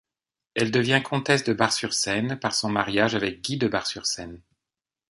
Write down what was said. Elle devient comtesse de Bar-sur-Seine par son mariage avec Gui de Bar-sur-Seine.